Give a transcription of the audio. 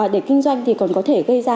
để kinh doanh thì còn có thể gây ra